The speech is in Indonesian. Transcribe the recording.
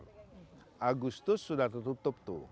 pembicara empat puluh agustus sudah tertutup tuh ya